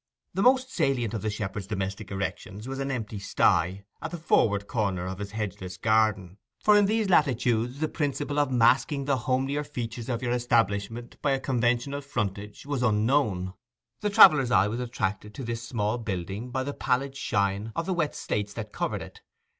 The most salient of the shepherd's domestic erections was an empty sty at the forward corner of his hedgeless garden, for in these latitudes the principle of masking the homelier features of your establishment by a conventional frontage was unknown. The traveller's eye was attracted to this small building by the pallid shine of the wet slates that covered it.